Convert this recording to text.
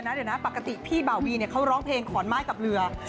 เดี๋ยวนะปกติพี่บ่าวีเขาร้องเพลงขอนไม้กับเรือ